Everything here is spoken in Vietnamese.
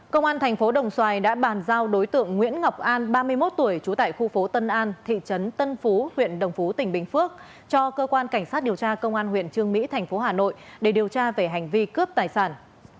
công an thành phố đồng xoài đã bàn giao đối tượng nguyễn ngọc an ba mươi một tuổi trú tại khu phố tân an thị trấn tân phú huyện đồng phú tỉnh bình phước cho cơ quan cảnh sát điều tra công an huyện trương mỹ thành phố hà nội để điều tra về hành vi cướp tài sản